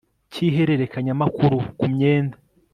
cy ihererekanyamakuru ku myenda